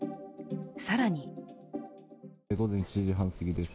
更に午前７時半すぎです